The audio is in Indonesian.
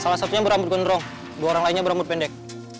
salah satunya berambut gondrong dua orang lainnya berambut pendek